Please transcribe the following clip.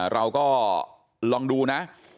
เราก็ลองดูนะ